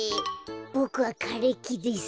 ボクはかれきです。